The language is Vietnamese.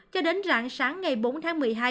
cho đến rạng sáng ngày bốn tháng một mươi hai